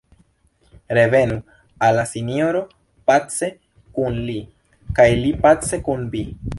Revenu al la Sinjoro pace kun Li, kaj Li pace kun vi.